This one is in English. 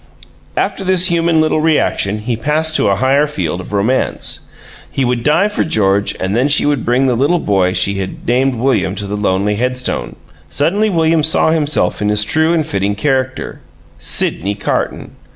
After this human little reaction he passed to a higher field of romance. He would die for George and then she would bring the little boy she had named William to the lonely headstone Suddenly William saw himself in his true and fitting character Sydney Carton!